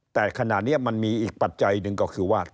แต่ขณะนี้มันมีอีกปัจจัยหนึ่งก็คือว่า